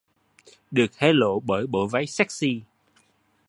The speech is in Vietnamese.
Được hé lộ bởi bộ váy sexy